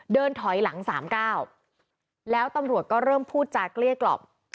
เดินถอยหลังสามก้าวแล้วตำรวจก็เริ่มพูดจากเลี้ยกรอบ